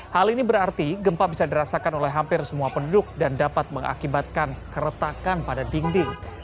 hal ini berarti gempa bisa dirasakan oleh hampir semua penduduk dan dapat mengakibatkan keretakan pada dinding